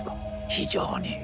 非常に。